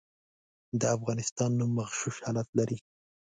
د افغانستان نوم مغشوش حالت لري.